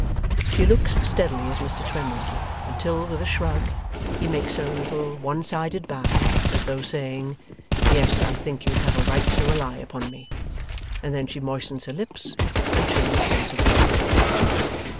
She looks steadily at Mr Twemlow, until, with a shrug, he makes her a little one sided bow, as though saying 'Yes, I think you have a right to rely upon me,' and then she moistens her lips, and shows a sense of relief.